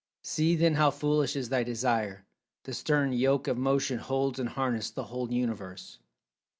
See then how foolish is thy desire; the stern yoke of motion holds in harness the whole Universe.